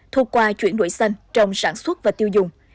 thuộc qua chuyển đổi xanh trong sản xuất và tiêu dùng